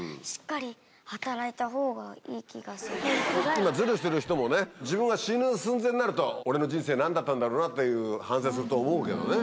今ズルしてる人もね自分が死ぬ寸前になると俺の人生何だったんだろうなっていう反省すると思うけどね。